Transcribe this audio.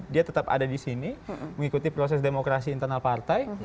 dia tetap ada di sini mengikuti proses demokrasi internal partai